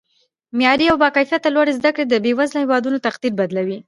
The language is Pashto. معیاري او با کیفته لوړې زده کړې د بیوزله هیوادونو تقدیر بدلوي